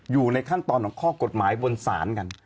อยู่ในขั้นตอนของข้อกฎหมายบนศาลกัน